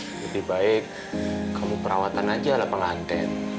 lebih baik kamu perawatan aja lah penganten